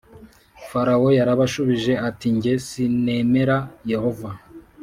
farawo yarabashubije ati jye sinemera yehova